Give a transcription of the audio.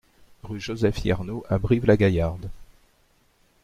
Rue Joseph Yernaux à Brive-la-Gaillarde